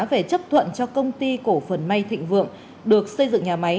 về chấp thuận cho công ty cổ phần may thịnh vượng được xây dựng nhà máy